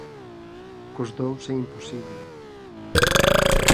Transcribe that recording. Cos dous é imposible.